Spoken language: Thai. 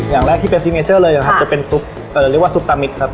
อย่างแรกที่เป็นเลยครับจะเป็นซุปเอ่อเรียกว่าซุปตามิดครับ